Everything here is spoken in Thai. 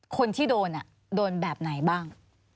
คนที่โดนโดนแบบไหนบ้าง